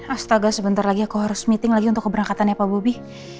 astaga sebentar lagi aku harus meeting lagi untuk keberangkatan ya pak bobi